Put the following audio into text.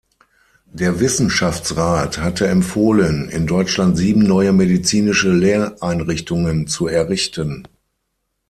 Der Wissenschaftsrat hatte empfohlen, in Deutschland sieben neue medizinische Lehreinrichtungen zu errichten.